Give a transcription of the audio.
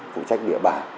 phụ trách địa bạc